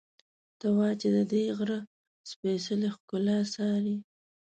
ته وا چې ددې غره سپېڅلې ښکلا څاري.